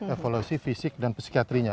evaluasi fisik dan psikiatrinya